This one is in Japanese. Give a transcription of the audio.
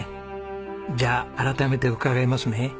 じゃあ改めて伺いますね。